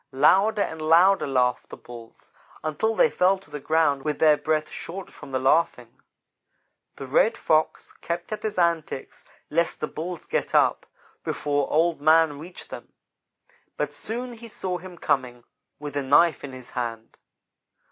Louder and louder laughed the Bulls, until they fell to the ground with their breath short from the laughing. The Red Fox kept at his antics lest the Bulls get up before Old man reached them; but soon he saw him coming, with a knife in his hand.